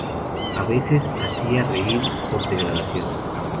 A veces hacía reír por degradación.